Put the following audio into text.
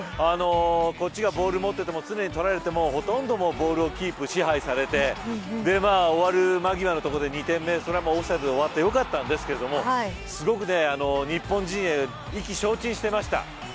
こっちがボールを持っていても常に取られてどんどんボールをキープ支配されて終わる間際のところで２点目それはもうオフサイドで終わってよかったんですけどすごく日本人は意気消沈していました。